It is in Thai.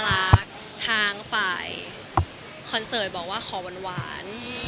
ทางฝ่ายคอนเสิร์ตบอกว่าขอหวาน